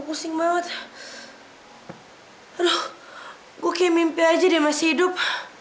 gue kayak mimpi aja dia masih hidup